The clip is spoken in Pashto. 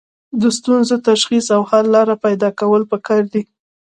د ستونزو تشخیص او حل لاره پیدا کول پکار دي.